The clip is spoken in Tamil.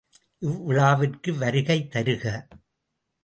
இவ்விழாவிற்கு வருகை தருக!